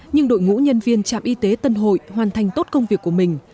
nhưng đội ngũ nhân viên trạm y tế tân hội hoàn thành tốt công việc của mình